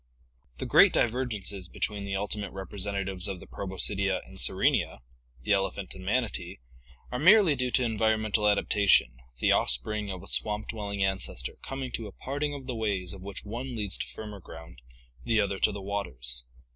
The great divergences between the ultimate representatives of the Proboscidea and Sirenia, the elephant and manatee, are merely due to environmental adaptation, the offspring of a swamp dwelling ancestor coming to a parting of the ways of which one leads to firmer ground, the other to the waters.